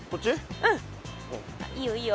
うんいいよいいよ。